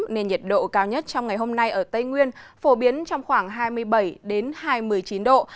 nên nhiệt độ cao nhất trong ngày hôm nay ở tây nguyên phổ biến trong khoảng hai mươi bảy hai mươi chín độ